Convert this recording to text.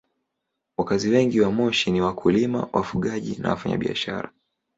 Wakazi wengi wa Moshi ni wakulima, wafugaji na wafanyabiashara.